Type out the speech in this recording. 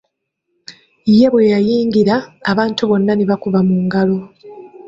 Ye bwe yayingira, abantu bonna ne bakuba mu ngalo.